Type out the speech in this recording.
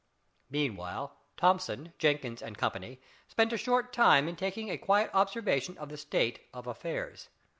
Meanwhile Thomson, Jenkins and Company spent a short time in taking a quiet observation of the state of affairs.